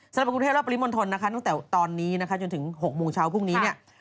สำหรับกรุงเทพและปริมณฑลนะคะตั้งแต่ตอนนี้นะคะจนถึง๖โมงเช้าพรุ่งนี้เนี่ย